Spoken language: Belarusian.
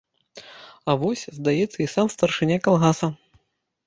А вось, здаецца, і сам старшыня калгаса.